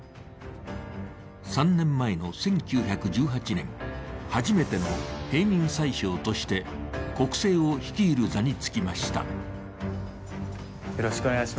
３年前の１９１８年、初めての平民宰相として国政を率いる座に就きました。